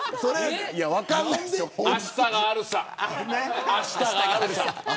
明日があるさ。